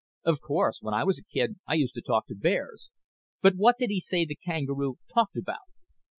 "Of course. When I was a kid I used to talk to bears. But what did he say the kangaroo talked about?"